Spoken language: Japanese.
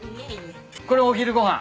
これお昼ご飯？